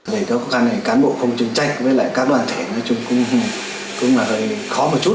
để có khó khăn này cán bộ không chuyên trách với các đoàn thể cũng khó một chút